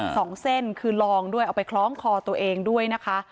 สองเส้นคือลองด้วยเอาไปคล้องคอตัวเองด้วยนะคะ